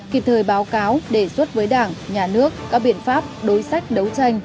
kịp thời báo cáo đề xuất với đảng nhà nước các biện pháp đối sách đấu tranh